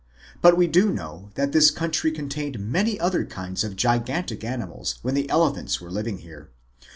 But we do know that this country con tained many other kinds of gigantic animals when the elephants were living here.